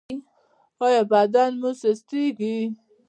ایا بدن مو سستیږي؟